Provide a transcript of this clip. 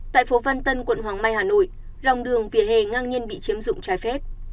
tại phố văn tân quận hoàng mai hà nội lòng đường vỉa hè ngang nhiên bị chiếm dụng trái phép